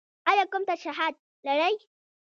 ایا کوم ترشحات لرئ؟